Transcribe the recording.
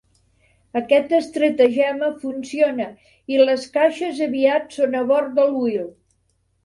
Aquest estratagema funciona i les caixes aviat són a bord del Wheel.